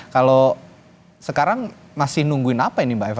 kalau sekarang masih nungguin apa ini mbak eva